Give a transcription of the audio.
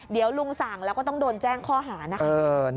เดี๋ยวลุงสั่งแล้วก็ต้องโดนแจ้งข้อหานะคะ